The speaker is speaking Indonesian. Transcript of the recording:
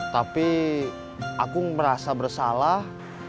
tapi aku merasa bersalah